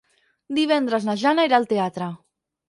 Divendres na Jana irà al teatre.